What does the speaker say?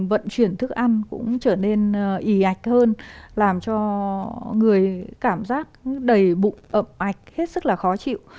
vận chuyển thức ăn cũng trở nên ị ạch hơn làm cho người cảm giác đầy bụng ẩm ạch hết sức là khó chịu